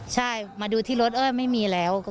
ใช่มาดูที่รถเอ้ยไม่มีแล้ว